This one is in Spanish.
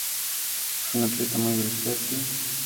Fue un atleta muy versátil.